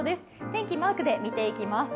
天気、マークで見ていきます。